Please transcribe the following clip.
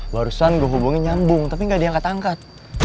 barusan gue hubungi nyambung tapi gak diangkat angkat